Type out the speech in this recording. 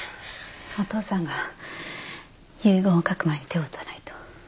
お父さんが遺言を書く前に手を打たないと